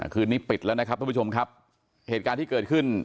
คืนนี้ปิดแล้วนะครับทุกผู้ชมครับเหตุการณ์ที่เกิดขึ้น